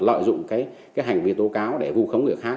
lợi dụng cái hành vi tố cáo để vô khống người khác